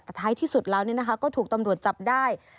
แต่ท้ายที่สุดแล้วก็ถูกตำรวจจับได้